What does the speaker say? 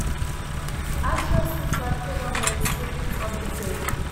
Ashurst reflected on the experience of defeat.